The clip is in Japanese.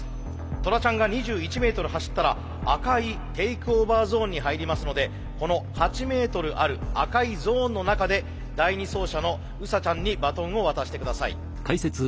トラちゃんが２１メートル走ったら赤いテイクオーバーゾーンに入りますのでこの８メートルある赤いゾーンの中で第２走者のウサちゃんにバトンを渡して下さい。